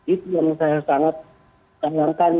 itu yang saya sangat sayangkan